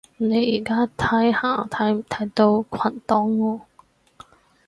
你而家睇下睇唔睇到群檔案